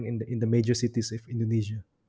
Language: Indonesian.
di kota besar indonesia